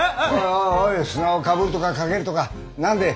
おいおい砂をかぶるとかかけるとか何でえ？